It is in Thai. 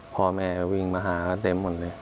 พ่อแม่วิ่งมาหาก็เต็มหมดเลย